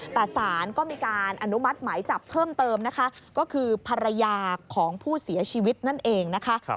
แต่สารก็มีการอนุมัติหมายจับเพิ่มเติมนะคะก็คือภรรยาของผู้เสียชีวิตนั่นเองนะคะ